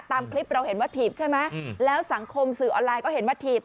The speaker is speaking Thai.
ตามคลิปเราเห็นว่าถีบใช่ไหมแล้วสังคมสื่อออนไลน์ก็เห็นว่าถีบ